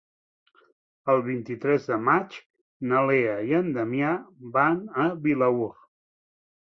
El vint-i-tres de maig na Lea i en Damià van a Vilaür.